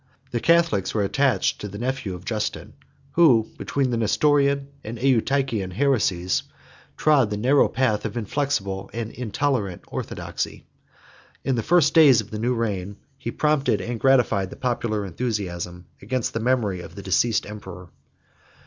The Catholics were attached to the nephew of Justin, who, between the Nestorian and Eutychian heresies, trod the narrow path of inflexible and intolerant orthodoxy. 10 In the first days of the new reign, he prompted and gratified the popular enthusiasm against the memory of the deceased emperor.